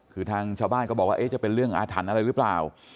คือทางชาวบ้านก็บอกว่าจะเป็นเรื่องอาถรรพ์อะไรหรือเปล่า